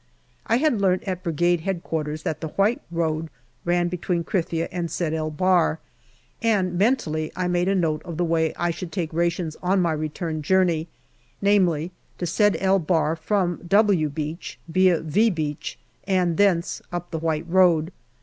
I had learnt at Brigade H.Q. that the white road ran between Krithia and Sed el Bahr, and mentally I made a note of the way I should take rations on my return journey, namely to Sed el Bahr from " W >J Beach via " V " Beach, and thence up the white road.